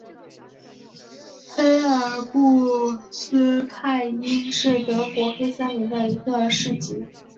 黑尔布斯泰因是德国黑森州的一个市镇。